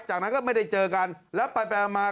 จากนั้นก็ไม่ได้เจอกันแล้วไปไปมา